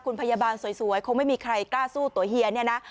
คุณพยาบาลสวยคงไม่มีใครกล้าสู้ตัวเฮียเนี่ยนะ